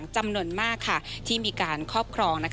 จำนวนมากที่มีการครอบครอง